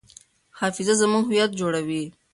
حافظه زموږ هویت جوړوي.